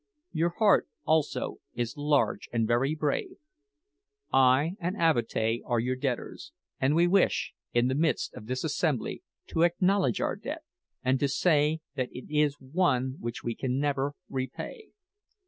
Your heart, also, is large and very brave. I and Avatea are your debtors; and we wish, in the midst of this assembly, to acknowledge our debt, and to say that it is one which we can never repay.